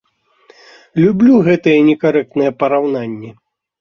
Люблю гэтыя некарэктныя параўнанні!